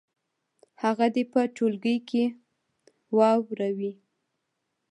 هغه دې په ټولګي کې واوروي.